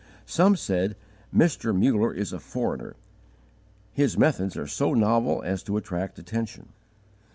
Some said: "Mr. Muller is a foreigner; his methods are so novel as to attract attention."